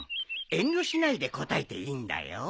遠慮しないで答えていいんだよ。